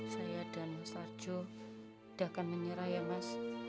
saya dan mas arjo tidak akan menyerah ya mas